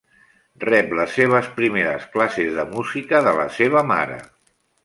Rep les seves primeres classes de música de la seva mare.